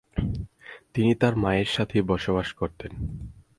তিনি তার মায়ের সাথেই বসবাস করতেন।